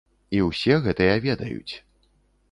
І ўсе гэтыя ведаюць.